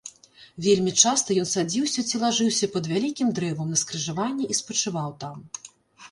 Вельмі часта ён садзіўся ці лажыўся пад вялікім дрэвам на скрыжаванні і спачываў там.